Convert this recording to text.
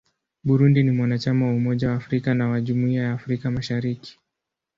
Burundi ni mwanachama wa Umoja wa Afrika na wa Jumuiya ya Afrika Mashariki.